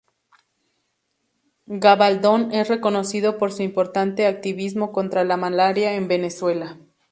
Gabaldón es reconocido por su importante activismo contra la malaria en Venezuela.